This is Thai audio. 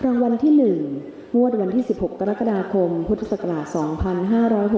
รางวัลที่๑งวดวันที่๑๖กรกฎาคมพุทธศักราช๒๕๖๖